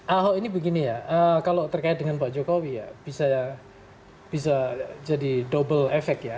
ahok ini begini ya kalau terkait dengan pak jokowi ya bisa jadi double efek ya